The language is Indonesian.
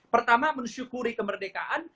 pertama mensyukuri kemerdekaan